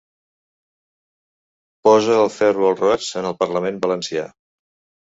Pose el ferro al roig en el Parlament valencià.